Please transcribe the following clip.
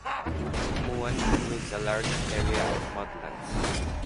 Muan includes a large area of mudlands.